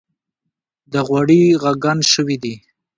دا غوړي ږغن شوي دي.